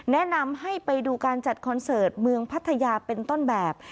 แนะนำให้ไปดูการจัดคอนเสิร์ตเมืองพัทยาเป็นต้นแบบ